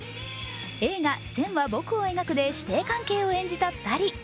映画「線は、僕を描く」で師弟関係を演じた２人。